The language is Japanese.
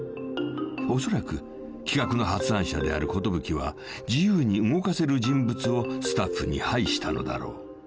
［おそらく企画の発案者である寿は自由に動かせる人物をスタッフに配したのだろう］